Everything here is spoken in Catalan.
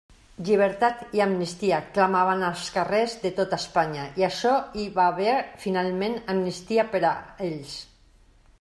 «Llibertat i amnistia» clamaven als carrers de tota Espanya, i això hi va haver finalment: amnistia per a ells.